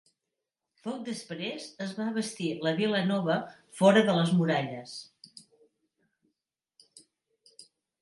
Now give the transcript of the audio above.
Poc després es va bastir la Vila Nova, fora de les muralles.